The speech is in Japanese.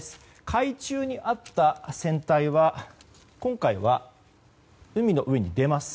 海中にあった船体は今回は、海の上に出ます。